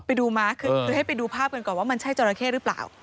ไปดูม้าคือให้ไปดูภาพกันก่อนว่ามันใช่จราเข้หรือเปล่า